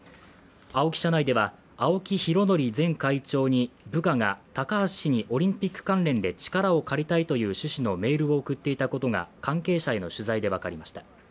社内では青木拡憲前会長に部下が「高橋氏にオリンピック関連で力を借りたい」という趣旨のメールを送っていたことが関係者への取材で分かりました。